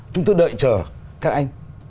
chúng tôi đợi chờ các anh